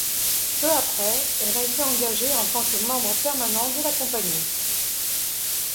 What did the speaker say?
Peu après, elle a été engagée en tant que membre permanent de la compagnie.